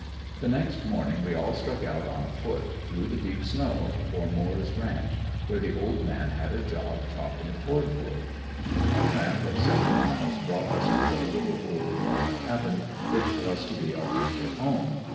The next morning we all struck out on foot, through the deep snow, for Moore's ranch where the "old man" had a job chopping cord wood. A tramp of seven miles brought us to the little old log cabin which was to be our future home.